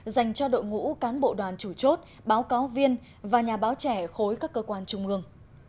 dành cho đội ngũ cán bộ đoàn chủ chốt báo cáo viên và nhà báo trẻ khối các cơ quan trung ương